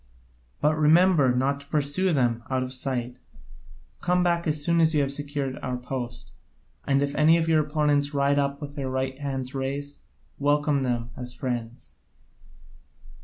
But remember not to pursue them out of sight, come back as soon as you have secured our post. And if any of your opponents ride up with their right hands raised, welcome them as friends."